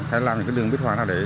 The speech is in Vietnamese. hay làm những đường bích họa nào đấy